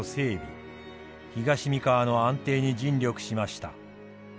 東三河の安定に尽力しました。